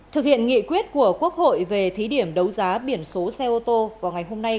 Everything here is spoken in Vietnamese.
thực hiện nghị quyết của quốc hội về thí điểm đấu giá biển số xe ô tô vào ngày hôm nay